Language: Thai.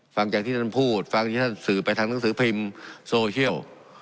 ฟังจากที่ท่านพูดฟังที่ท่านสื่อไปทางหนังสือพิมพ์โซเชียล